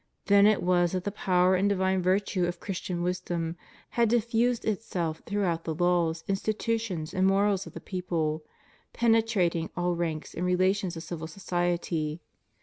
Then it was that the power and divine virtue of Christian wisdom had diffused itself throughout the laws, institutions, and morals of the people; permeating all ranks and relations of civil society.